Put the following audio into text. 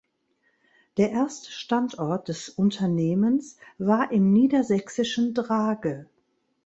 Der erste Standort des Unternehmens war im niedersächsischen Drage.